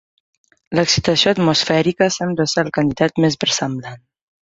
L'excitació atmosfèrica sembla ser el candidat més versemblant.